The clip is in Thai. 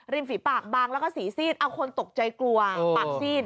ฝีปากบางแล้วก็สีซีดเอาคนตกใจกลัวปากซีด